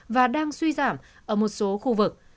và đang suy giảm ở một số khu vực